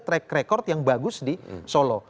track record yang bagus di solo